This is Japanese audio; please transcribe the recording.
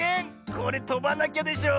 これとばなきゃでしょ。